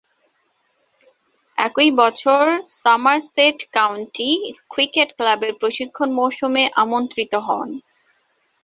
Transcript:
একই বছর Somerset county cricket ক্লাবের প্রশিক্ষণ মৌসুমে আমন্ত্রিত হন।